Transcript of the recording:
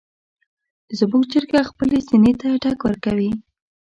زموږ چرګه خپلې سینې ته ټک ورکوي.